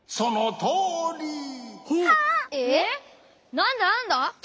なんだなんだ？